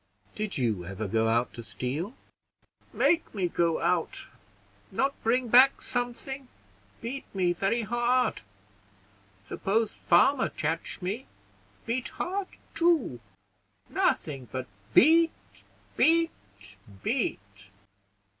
"Did you ever go out to steal?" "Make me go out. Not bring back something, beat me very hard; suppose farmer catch me, beat hard too; nothing but beat, beat, beat."